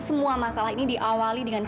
semua masalah ini diawali dengan